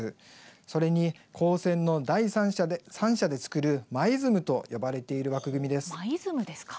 それに高専の三者で作る「ＭＡｉＺＭ」と呼ばれている枠組みです。